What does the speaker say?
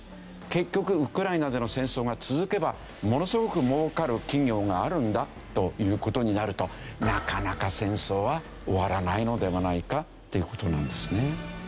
結局ウクライナでの戦争が続けばものすごく儲かる企業があるんだという事になるとなかなか戦争は終わらないのではないか？という事なんですね。